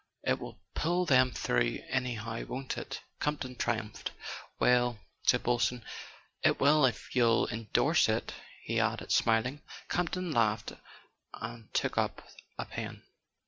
"It will pull them through, anyhow, won't it?" Campton triumphed. "Well " said Boylston. "It will if you'll endorse it," he added, smiling. Campton laughed and took up a pen.